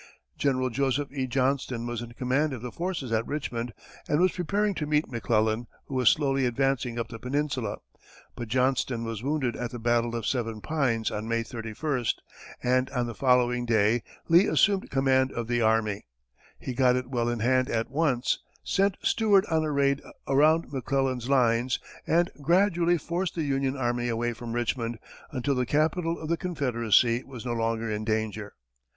General Joseph E. Johnston was in command of the forces at Richmond, and was preparing to meet McClellan, who was slowly advancing up the peninsula. But Johnston was wounded at the battle of Seven Pines, on May 31, and on the following day, Lee assumed command of the army. He got it well in hand at once, sent Stuart on a raid around McClellan's lines, and gradually forced the Union army away from Richmond, until the capital of the Confederacy was no longer in danger.